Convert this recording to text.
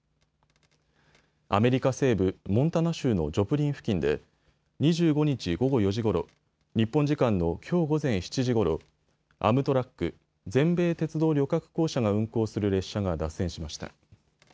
アメリカ西部モンタナ州のジョプリン付近で２５日午後４時ごろ、日本時間のきょう午前７時ごろ、アムトラック・全米鉄道旅客公社が運行する列車が脱線しました。